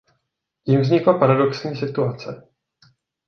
Tím vznikla paradoxní situace.